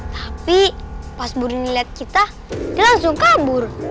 tapi pas burini liat kita dia langsung kabur